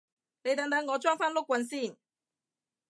你等等我裝返碌棍先